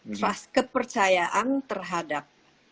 trust kepercayaan terhadap